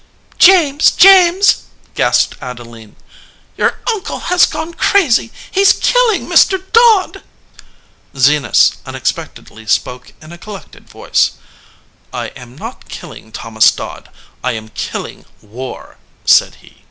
"James ! James !" gasped Adeline. "Your uncle has gone crazy! He s killing Mr. Dodd!" Zenas unexpectedly spoke in a collected voice. 225 EDGEWATER PEOPLE "I am not killing Thomas Dodd. I am killing war," said he.